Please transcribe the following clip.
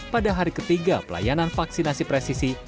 pada hari ketiga pelayanan vaksinasi presisi